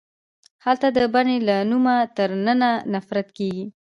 هلته د بنې له نومه تر ننه نفرت کیږي